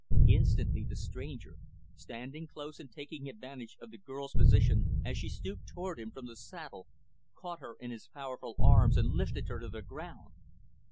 Instantly, the stranger standing close and taking advantage of the girl's position as she stooped toward him from the saddle caught her in his powerful arms and lifted her to the ground.